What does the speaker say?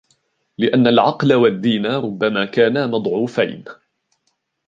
لِأَنَّ الْعَقْلَ وَالدِّينَ رُبَّمَا كَانَا مَضْعُوفَيْنِ